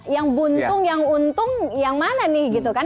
yang buntung yang untung yang mana nih gitu kan